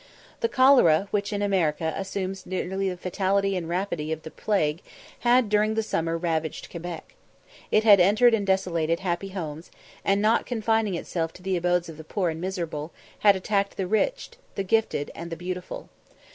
The cholera, which in America assumes nearly the fatality and rapidity of the plague, had during the summer ravaged Quebec. It had entered and desolated happy homes, and, not confining itself to the abodes of the poor and miserable, had attacked the rich, the gifted, and the beautiful.